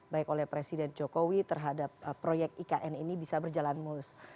baik oleh presiden jokowi terhadap proyek ikn ini bisa berjalan mulus